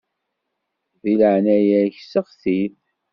Di leɛnaya-k seɣti-t.